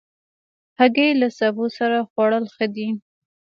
هګۍ له سبو سره خوړل ښه دي.